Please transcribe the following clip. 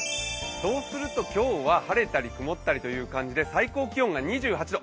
そうすると今日は晴れたり曇ったりという感じで、最高気温は２８度。